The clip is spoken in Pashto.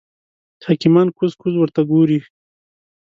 حکیمان کوز کوز ورته ګوري.